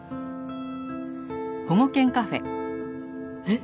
えっ？